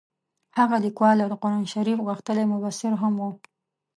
هغه لیکوال او د قران شریف غښتلی مبصر هم وو.